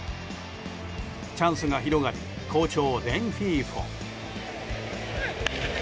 チャンスが広がり好調レンヒーフォ。